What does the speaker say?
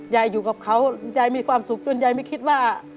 ยายอยู่กับเขายายมีความสุขจนยายไม่คิดว่า